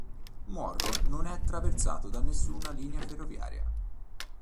Morro non è attraversato da nessuna linea ferroviaria.